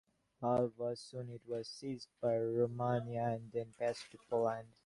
However, soon it was seized by Romania and then passed to Poland.